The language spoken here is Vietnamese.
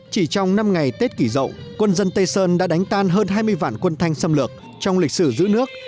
chỉ trong năm ngày tết kỷ rậu quân dân tây sơn đã đánh tan hơn hai mươi vạn quân thanh xâm lược trong lịch sử giữ nước